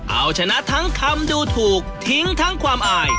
เอาชนะทั้งคำดูถูกทิ้งทั้งความอาย